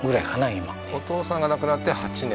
今お父さんが亡くなって８年？